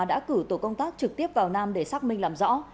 đã cử tổ công tác trực tiếp vào nam để xác minh làm rõ